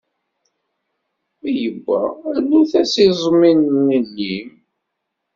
Mi yewwa, rnut-as iẓmi n llim.